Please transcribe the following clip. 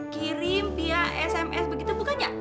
kirim via sms begitu bukannya